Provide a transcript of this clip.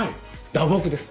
打撲です。